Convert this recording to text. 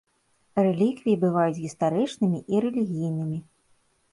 Рэліквіі бываюць гістарычнымі і рэлігійнымі.